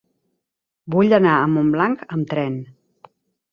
Vull anar a Montblanc amb tren.